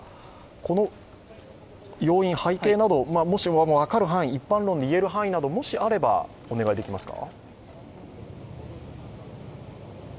この要因、背景など、分かる範囲一般論で言える範囲などもしあればお願いできますか？